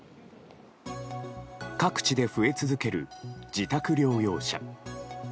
各地で増え続ける自宅療養者。